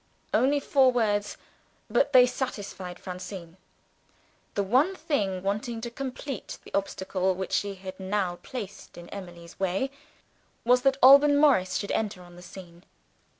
Only four words but they satisfied Francine. The one thing wanting to complete the obstacle which she had now placed in Emily's way, was that Alban Morris should enter on the scene.